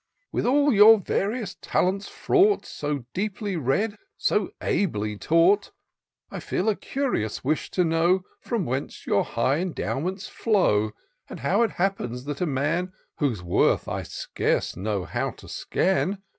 With all your various talents fraught, So deeply read, so ably taught, I feel a curious wish to know From whence your high endowments flow ; And how it happens, that a man, Whose worth I scarce know how to scan.